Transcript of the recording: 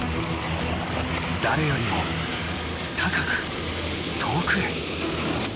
誰よりも高く遠くへ。